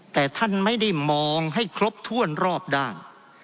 แต่ท่านไม่ได้มองให้ครบถ้วนรอบด้าน